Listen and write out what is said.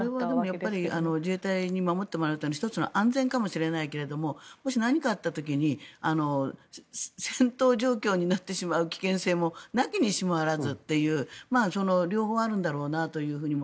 これは自衛隊に守ってもらうための１つの安全かもしれないけどもし何かあった時に戦闘状況になってしまう危険性もなきにしもあらずという両方あるんだろうなとも。